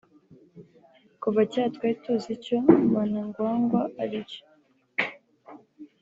Kuva kera twari tuzi icyo [Mnangagwa] aricyo